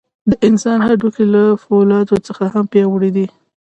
د انسان هډوکي له فولادو څخه هم پیاوړي دي.